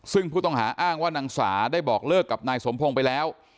ซึ่งผู้ต้องหาอ้างว่านางสาได้บอกเลิกกับนายสมพงศ์ไปแล้ว